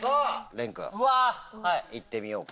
いってみようか。